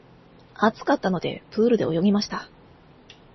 暑かったので、プールで泳ぎました。